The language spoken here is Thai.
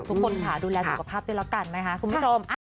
ทุกคนค่ะดูแลสุขภาพด้วยแล้วกันนะคะคุณผู้ชม